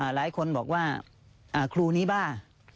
หลายคนบอกว่าครูนี้บ้า